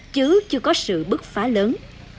chứ chưa có sự bức phá lớn